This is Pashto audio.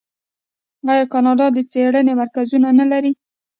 آیا کاناډا د څیړنې مرکزونه نلري؟